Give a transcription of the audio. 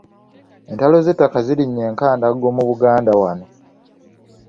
Entalo z’ettaka zirinnye enkandago mu Buganda wano.